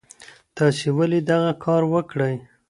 تاسي ولي دغه کار وکړی؟